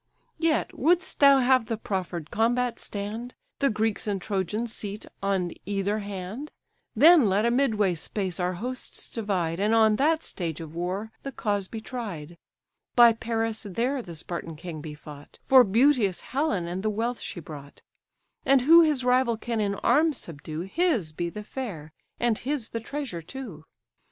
Yet, would'st thou have the proffer'd combat stand, The Greeks and Trojans seat on either hand; Then let a midway space our hosts divide, And, on that stage of war, the cause be tried: By Paris there the Spartan king be fought, For beauteous Helen and the wealth she brought; And who his rival can in arms subdue, His be the fair, and his the treasure too.